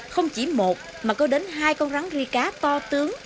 không chỉ một mà có đến hai con rắn ri cá to tướng